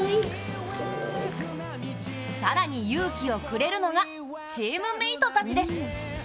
更に、勇気をくれるのがチームメイトたちです。